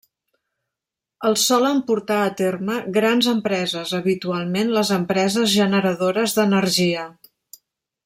El solen portar a terme grans empreses, habitualment les empreses generadores d'energia.